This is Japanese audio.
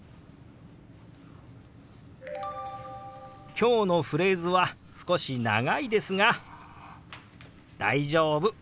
今日のフレーズは少し長いですが大丈夫。